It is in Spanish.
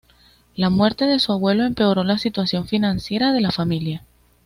La muerte de su abuelo empeoró la situación financiera de la familia.